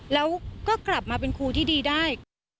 แล้วก็กลับมาเป็นครูที่ดีได้